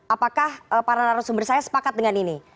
apakah para narasumber saya sepakat dengan ini